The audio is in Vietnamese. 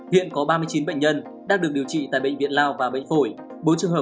hiện có ba mươi chín bệnh nhân đang được điều trị tại bệnh viện lao và bệnh phổi